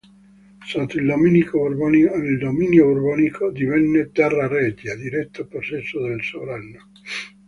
Sotto il dominio borbonico divenne "Terra Regia", diretto possesso del sovrano.